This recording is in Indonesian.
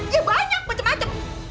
ya banyak macam macam